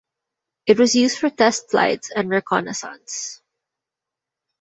It was used for test flights and reconnaissance.